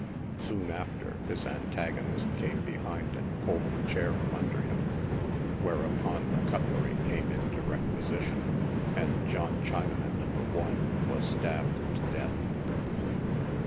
Soon after, his antagonist carac behind and pulled the chair from under him, whereupon the " cutlery" came into requisition, and John Chinaman, No. 1, was stabbed' to death.